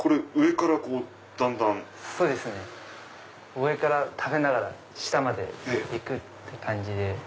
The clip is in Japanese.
上から食べながら下まで行くって感じで。